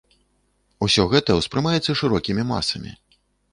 Усё гэта ўспрымаецца шырокімі масамі.